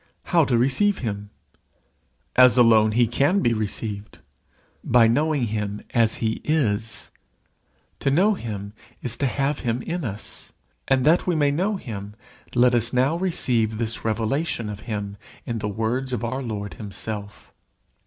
How to receive him? As alone he can be received, by knowing him as he is. To know him is to have him in us. And that we may know him, let us now receive this revelation of him, in the words of our Lord himself.